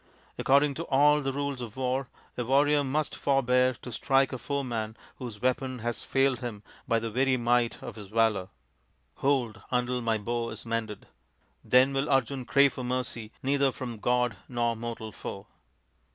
" According to all the rules of war, a warrior must forbear to strike a THE FIVE TALL SONS OF PANDU 115 foeman whose weapon has failed him by the very might of his valour. Hold, until my bow is mended. Then will Arjun crave for mercy neither from god nor mortal foe."